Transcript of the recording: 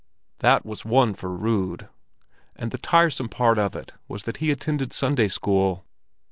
That was one for Rud! And the tiresome part of it was that he attended Sunday school.